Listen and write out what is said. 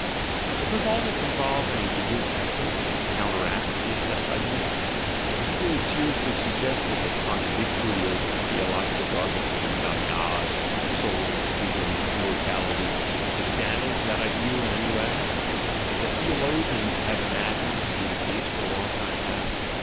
But does all this involve any real effort to counteract the ascetic ideal? Is it really seriously suggested that Kant's victory over the theological dogmatism about "God," "Soul," "Freedom," "Immortality," has damaged that ideal in any way (as the theologians have imagined to be the case for a long time past)?